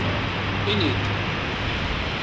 Ini-d!